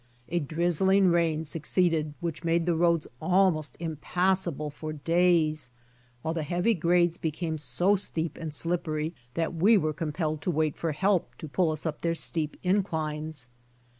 A drizzling rain succeeded which made the roads almost impassable for days, while the heavy grades became so steep and slippery that we were compelled to wait for help to pull us up their steep inclines.